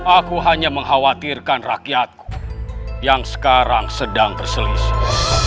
aku hanya mengkhawatirkan rakyatku yang sekarang sedang berselisih